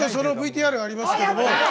そのＶＴＲがあります。